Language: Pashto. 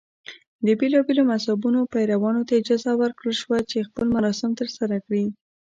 د بېلابېلو مذهبونو پیروانو ته اجازه ورکړل شوه چې خپل مراسم ترسره کړي.